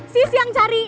sisi yang cari